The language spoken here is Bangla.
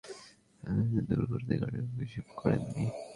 তবে নগরবাসীর অভিযোগ, মনজুর আলম জলাবদ্ধতা দূর করতে কার্যত কিছুই করেননি।